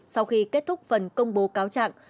sau khi kết thúc phần công bố cáo trạng